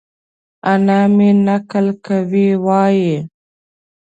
انا مې؛ نکل کوي وايي؛